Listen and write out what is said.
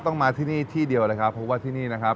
มาที่นี่ที่เดียวเลยครับเพราะว่าที่นี่นะครับ